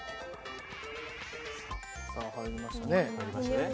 さあ入りましたね。